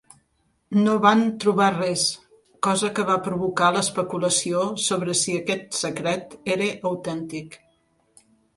No van trobar res, cosa que va provocar l'especulació sobre si aquest secret era autèntic.